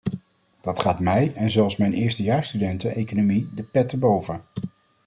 Dat gaat mij, en zelfs mijn eerstejaarsstudenten economie de pet te boven.